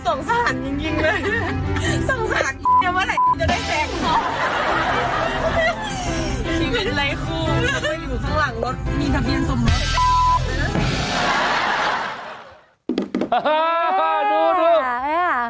สงสัยจริงเลย